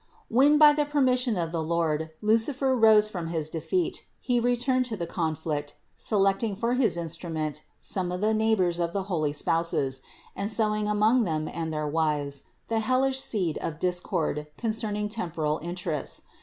367. When by the permission of the Lord Lucifer rose from his defeat, he returned to the conflict, selecting for his instrument some of the neighbors of the holy spouses, and sowing among them and their wives the hellish seed of discord concerning temporal interests.